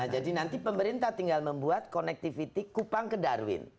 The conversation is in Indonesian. jadi nanti pemerintah tinggal membuat connectivity kupang ke darwin